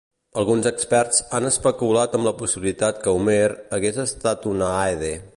Alguns experts han especulat amb la possibilitat que Homer hagués estat un aede.